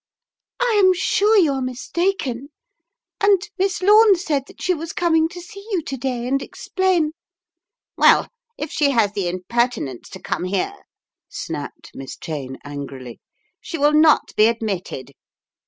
"I am sure you are mistaken, and Miss Lome said that she was coming to see you to day and explain " "Well, if she has the impertinence to come here," snapped Miss Cheyne angrily, "she will not be admitted.